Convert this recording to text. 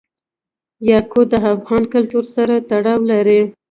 یاقوت د افغان کلتور سره تړاو لري.